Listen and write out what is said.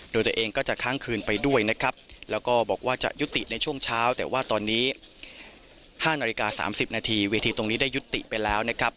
โดยตัวเองก็จะค้างคืนไปด้วยนะครับแล้วก็บอกว่าจะยุติในช่วงเช้าแต่ว่าตอนนี้๕นาฬิกา๓๐นาทีเวทีตรงนี้ได้ยุติไปแล้วนะครับ